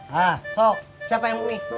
hah sok siapa yang mau mie